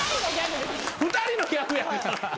２人のギャグやから。